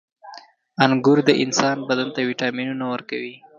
• انګور د انسان بدن ته ویټامینونه ورکوي.